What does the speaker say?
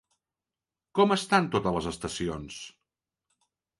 Com estan totes les estacions?